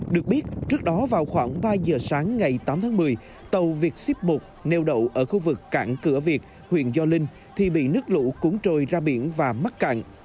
được biết trước đó vào khoảng ba giờ sáng ngày tám tháng một mươi tàu việt ship một nêu đậu ở khu vực cảm cửa việt huyện do linh thì bị nước lũ cuốn trôi ra biển và mắc cạn